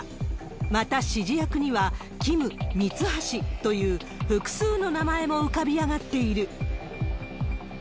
また、指示役にはＫＩＭ、ミツハシという、複数の名前も浮かび上がっている。